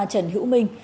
trần hữu minh